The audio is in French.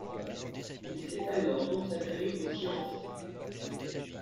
Il s'est alors consacré aux sciences.